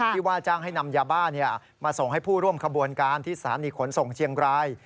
ว่าจ้างให้นำยาบ้ามาส่งให้ผู้ร่วมขบวนการที่สถานีขนส่งเชียงราย